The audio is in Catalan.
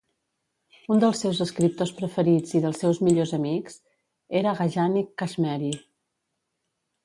Un dels seus escriptors preferits i dels seus millors amics era Aghajani Kashmeri.